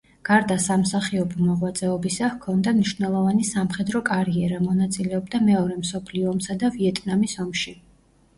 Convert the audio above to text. გარდა სამსახიობო მოღვაწეობისა, ჰქონდა მნიშვნელოვანი სამხედრო კარიერა, მონაწილეობდა მეორე მსოფლიო ომსა და ვიეტნამის ომში.